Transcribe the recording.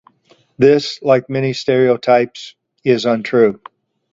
This, like many stereotypes, is untrue.